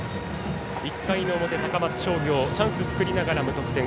１回の表、高松商業チャンスを作りながら無得点。